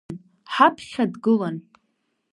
Ҳаԥхьа дгылан.